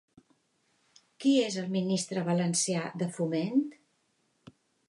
Qui és el ministre valencià de Foment?